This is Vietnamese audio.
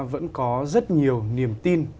vẫn có rất nhiều niềm tin